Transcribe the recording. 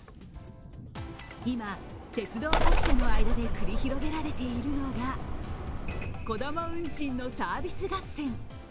今、鉄道各社の間で繰り広げられているのが子供運賃のサービス合戦。